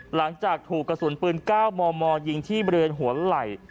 หลังจากถูกกระสุนปืน๙มมยิงที่บริเวณหัวไหล่